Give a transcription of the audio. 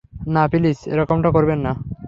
না, প্লিজ এরকমটা করবেন না!